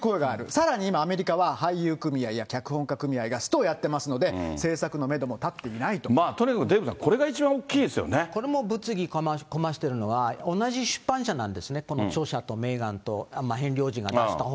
さらに今、アメリカは、俳優組合や脚本家組合がストをやってますので、とにかくデーブさん、これがこれも物議かわしてるのは、同じ出版社なんですね、この著者とメーガンとヘンリー王子が出した本。